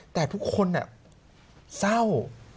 แต่ทุกคนเศร้า